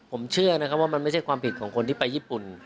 ผมเชื่อนะครับว่ามันไม่ใช่ความผิดของคนที่ไปญี่ปุ่น